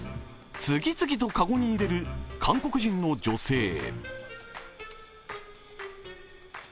次々とかごに入れる韓国人の女性。